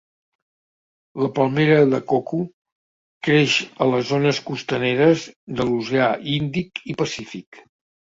La palmera de coco creix a les zones costaneres de l'Oceà Índic i Pacífic.